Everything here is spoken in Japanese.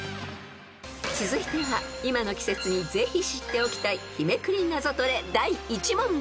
［続いては今の季節にぜひ知っておきたい日めくりナゾトレ］